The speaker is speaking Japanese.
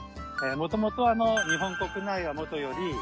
もともと日本国内はもとより。